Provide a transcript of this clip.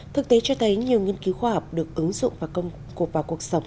thực tế cho thấy nhiều nghiên cứu khoa học được ứng dụng và công cụp vào cuộc sống